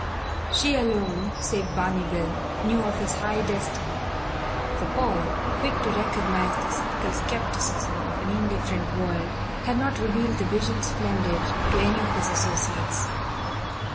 She alone (save Barney Bill) knew of his high destiny for Paul, quick to recognize the cynical scepticism of an indifferent world, had not revealed the Vision Splendid to any of his associates.